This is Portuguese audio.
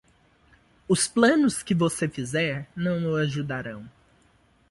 Os planos que você fizer não o ajudarão.